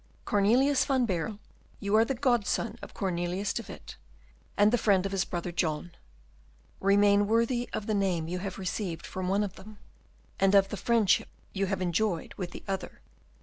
Cornelius van Baerle, you are the godson of Cornelius de Witt and the friend of his brother John. Remain worthy of the name you have received from one of them, and of the friendship you have enjoyed with the other.